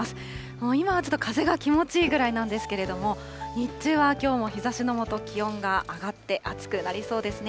もう今はちょっと風が気持ちいいぐらいなんですけれども、日中はきょうも日ざしの下、気温が上がって、暑くなりそうですね。